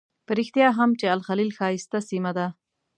په رښتیا هم چې الخلیل ښایسته سیمه ده.